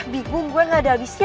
bikung gue gak ada abisnya